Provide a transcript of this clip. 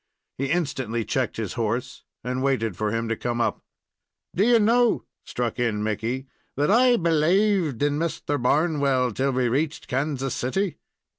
He instantly checked his horse, and waited for him to come up. "Do you know," struck in Mickey, "that I belaved in Misther Barnwell till we reached Kansas City?